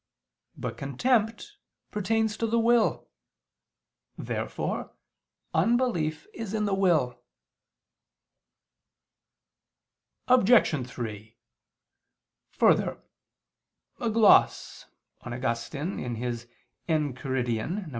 But contempt pertains to the will. Therefore unbelief is in the will. Obj. 3: Further, a gloss [*Augustine, Enchiridion lx.